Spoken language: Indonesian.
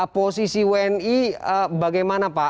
posisi wni bagaimana pak